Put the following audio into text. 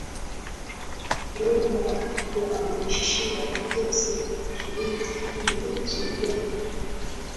akiomba kutohamishia kesi yake nchini sweden